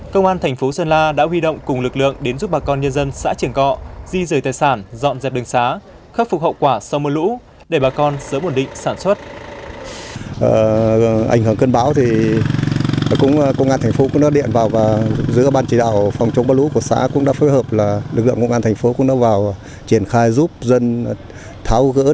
công an thành phố sơn la đã huy động cùng lực lượng đến giúp bà con nhân dân xã triển cọ di rời tài sản dọn dẹp đường xá khắc phục hậu quả sau mưa lũ để bà con sớm ổn định sản xuất